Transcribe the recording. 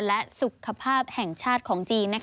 และสุขภาพแห่งชาติของจีน